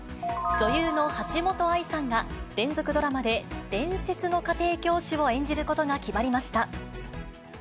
女優の橋本愛さんが、連続ドラマで伝説の家庭教師を演じることが決まりました。